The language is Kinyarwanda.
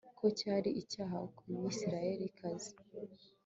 ko cyari icyaha ku bisirayelikazi